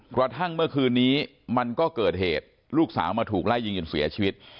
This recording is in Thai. กระทั่งเมื่อคืนนี้มันก็เกิดเหตุลูกสาวมาถูกไล่ยิงจนเสียชีวิต